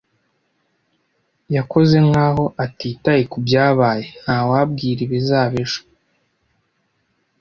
Yakoze nkaho atitaye kubyabaye. Ntawabwira ibizaba ejo.